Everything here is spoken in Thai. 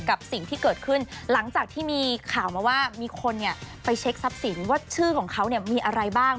กับสิ่งที่เกิดขึ้นหลังจากที่มีข่าวมาว่ามีคนเนี่ยไปเช็คทรัพย์สินว่าชื่อของเขาเนี่ยมีอะไรบ้าง